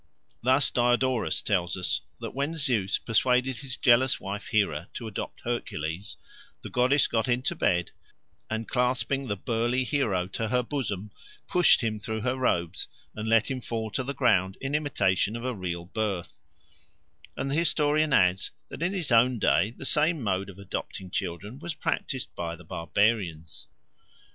Thus Diodorus tells us that when Zeus persuaded his jealous wife Hera to adopt Hercules, the goddess got into bed, and clasping the burly hero to her bosom, pushed him through her robes and let him fall to the ground in imitation of a real birth; and the historian adds that in his own day the same mode of adopting children was practised by the barbarians.